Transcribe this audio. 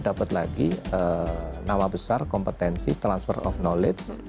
dapat lagi nama besar kompetensi transfer of knowledge